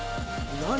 何？